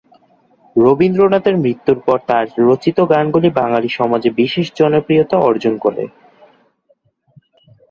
রবীন্দ্রনাথের মৃত্যুর পর তার রচিত গানগুলি বাঙালি সমাজে বিশেষ জনপ্রিয়তা অর্জন করে।